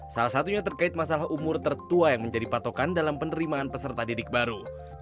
salah satunya terkait masalah umur tertua yang menjadi patokan dalam penerimaan peserta didik baru